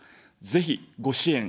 ぜひ、ご支援